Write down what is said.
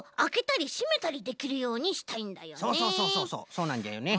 そうなんじゃよね。